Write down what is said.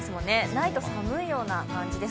ないと寒いような感じです。